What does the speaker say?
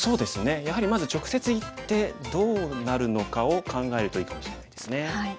やはりまず直接いってどうなるのかを考えるといいかもしれないですね。